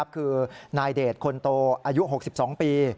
คือนายเดชคนโตอายุ๖๒ปี